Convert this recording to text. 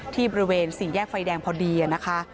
ที่บริเวณสี่แยกไฟแดงพอดีนะคะ